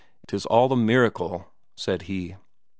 "'Tis all a miracle," said he.